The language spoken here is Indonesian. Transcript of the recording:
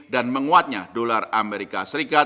dan menguatnya dolar as